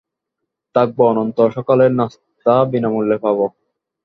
থাকব, অন্তত সকালের নাস্তা বিনামূল্যে পাব।